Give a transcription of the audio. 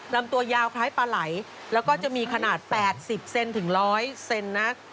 ลำตัวยาวคล้ายปลาไหลแล้วก็จะมีขนาด๘๐เซนถึง๑๐๐เซนนะ